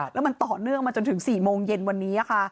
แล้วมันต่อเนื่องมาจนถึง๔โมงเย็นวันนี้ค่ะ